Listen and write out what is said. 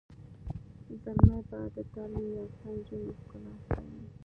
زلمي به د تعلیم یافته نجونو ښکلا ستایي.